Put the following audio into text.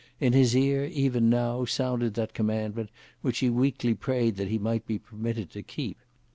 In his ear, even now, sounded that commandment which he weekly prayed that he might be permitted to keep.